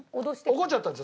怒っちゃったんです。